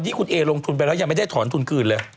ที่คุณเอลงทุนไปแล้วยังไม่ได้ถอนทุนคืนเลย